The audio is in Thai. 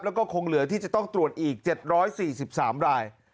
แล้วก็คงเหลือที่จะต้องตรวจอีก๗๔๓ราย